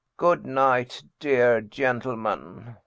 Good night, dear gentleman."